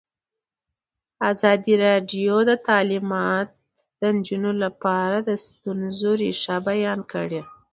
ازادي راډیو د تعلیمات د نجونو لپاره د ستونزو رېښه بیان کړې.